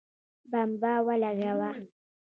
بمبه ولګوه